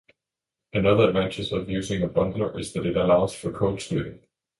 Another advantage of using a bundler is that it allows for code splitting.